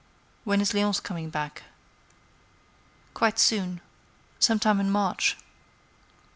"When is Léonce coming back?" "Quite soon. Some time in March."